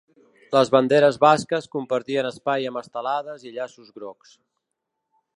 Les banderes basques compartien espai amb estelades i llaços grocs.